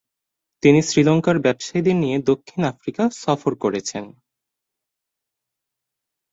তিনি শ্রীলঙ্কার ব্যবসায়ীদের নিয়ে দক্ষিণ আফ্রিকা সফর করেছেন।